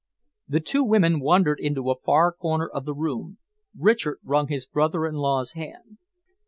The two women wandered into a far corner of the room. Richard wrung his brother in law's hand.